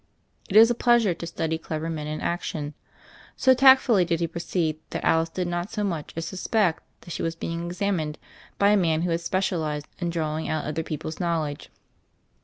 It is a pleasure to study clever men in action. So tactfully did he proceed that Alice did not so much as suspect that she was being examined by a man who nad specialized in drawing out other people's knowl edge.